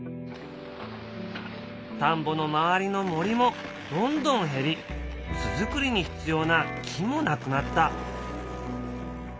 田んぼの周りの森もどんどん減り巣作りに必要な木もなくなった。